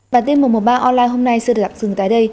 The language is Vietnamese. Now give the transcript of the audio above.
bản tin một trăm một mươi ba online hôm nay sẽ được đặt dừng tại đây